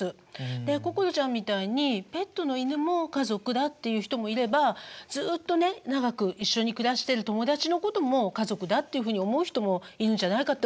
で心ちゃんみたいにペットの犬も家族だっていう人もいればずっとね長く一緒に暮らしてる友達のことも家族だっていうふうに思う人もいるんじゃないかって思いました。